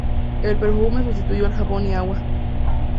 El perfume sustituyó al jabón y agua.